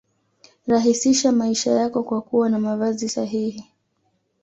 Rahisisha maisha yako kwa kuwa na mavazi sahihi